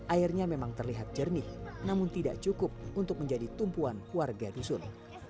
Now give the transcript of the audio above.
airnya memang terlihat jernih namun tidak cukup untuk menjadi tumpuan warga dusun